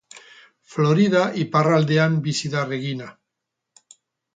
Florida iparraldean bizi da Regina.